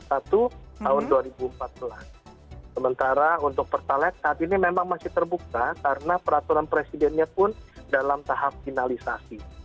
sementara untuk pertalite saat ini memang masih terbuka karena peraturan presidennya pun dalam tahap finalisasi